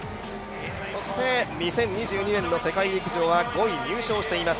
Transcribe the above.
２０２２年の世界陸上は５位入賞しています。